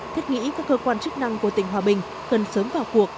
thiết nghĩ các cơ quan chức năng của tỉnh hòa bình cần sớm vào cuộc